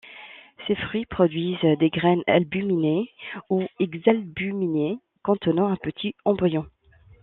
Ces fruits produisent des graines albuminées ou exalbuminées contenant un petit embryon.